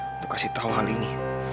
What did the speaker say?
untuk kasih tahu hal ini